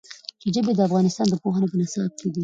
ژبې د افغانستان د پوهنې په نصاب کې دي.